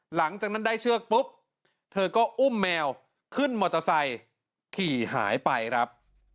หลังจากนั้นได้เชือกปุ๊บเธอก็อุ้มแมวขึ้นมอเตอร์ไซค์ขี่หายไปครับ